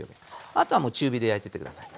あとはもう中火で焼いてって下さい。